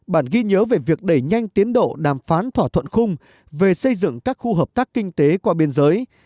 bản ghi nhớ về việc đẩy nhanh tiến độ đàm phán thỏa thuận khung về xây dựng các khu hợp tác kinh tế qua biên giới